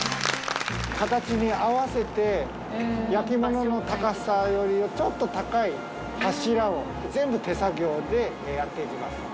形に合わせて焼き物の高さよりちょっと高い柱を、全部手作業でやっていきます。